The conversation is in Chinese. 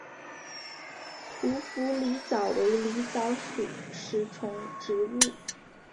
匍匐狸藻为狸藻属食虫植物。